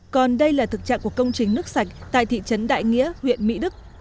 còn đây là thực trạng của công trình nước sạch tại thị trấn đại nghĩa huyện mỹ đức